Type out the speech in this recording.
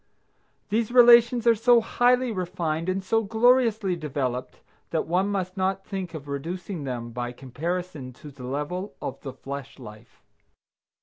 These relations are so highly refined and so gloriously developed that one must not think of reducing them by comparison to the level of the flesh life.